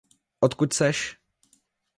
Odkud jseš?